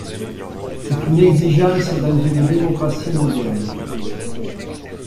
C’est une exigence dans une démocratie moderne.